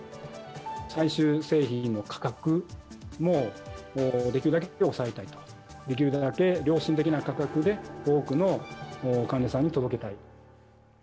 最終製品の価格も、できるだけ抑えたいと、できるだけ良心的な価格で、多くの患者さんに届けたい。